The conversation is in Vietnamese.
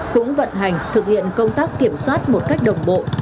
cũng vận hành thực hiện công tác kiểm soát một cách đồng bộ